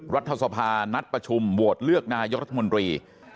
รัฐสภานัดประชุมโหวตเลือกนายกรัฐมนตรี